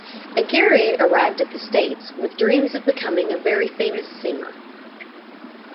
Aguirre arrived at the States with dreams of becoming a very famous singer.